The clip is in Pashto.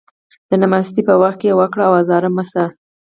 د نماستي په وخت يې وا کړه ازار مه شه